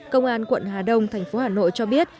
công an quận hà đông thành phố hà nội cho biết